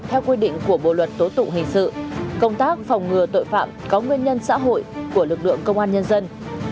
theo quy định của bộ luật tố tụng hình sự công tác phòng ngừa tội phạm có nguyên nhân xã hội của lực lượng công an nhân dân